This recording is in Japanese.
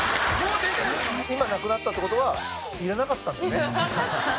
今なくなったって事はいらなかったんだよね。